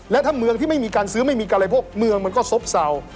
และถ้าเมืองที่ไม่มีการซื้อไม่มีการบริโภคเมืองมันก็ซบเศร้า